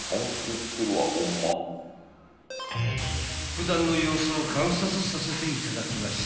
［普段の様子を観察させていただきましたよ］